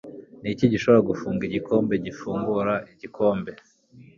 Niki gishobora gufunga igikombe, gufungura igikombe